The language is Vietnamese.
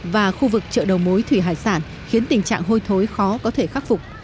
và khu vực chợ đầu mối thủy hải sản khiến tình trạng hôi thối khó có thể khắc phục